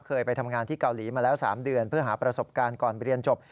เคยไปทำงานที่เกาหลีมาแล้ว๓เดือนเพื่อหาประสบการณ์ก่อนเรียนจบ